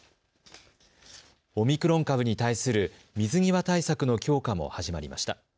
オミクロン株に対する水際対策の強化も始まりました。